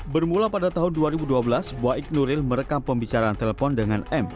bermula pada tahun dua ribu dua belas baik nuril merekam pembicaraan telepon dengan m